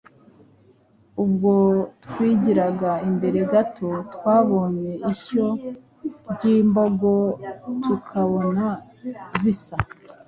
Ubwo twigiraga imbere gato, twabonye ishyo ry’imbogo tukabona zisa